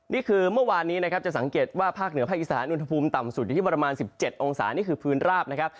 นี่คือเมื่อวานนี้นะครับจะสังเกตว่าภาคเหนือภาคอีสานอุณหภูมิต่ำสุดอยู่ที่ประมาณ๑๗องศานี่คือพื้นราบนะครับ